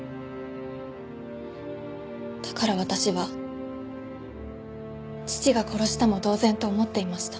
だから私は父が殺したも同然と思っていました。